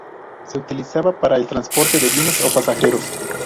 Se utilizaba para el transporte de bienes o pasajeros.